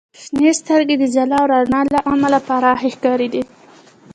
• شنې سترګې د ځلا او رڼا له امله پراخې ښکاري.